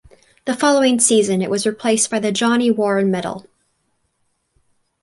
The following season it was replaced by the Johnny Warren Medal.